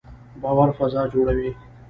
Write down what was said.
باور فضا جوړوي